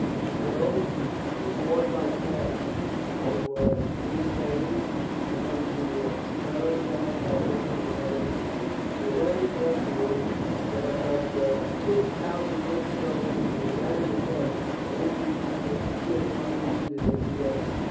We strove, we fought like madmen; but it was in vain, and we were hurled down that hill in utter confusion. "We heard afterwards that of the 6000 British soldiers who began the day, but 1800 stood unwounded at the end.